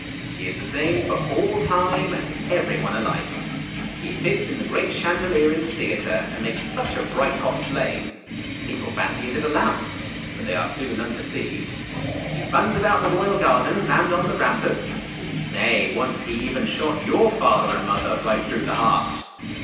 He is the same for all time and everyone alike. He sits in the great chandelier in the theatre, and makes such a bright hot flame; people fancy it is a lamp, but they are soon undeceived. He runs about the Royal Gardens and on the ramparts; nay, once he even shot your father and mother right through the heart!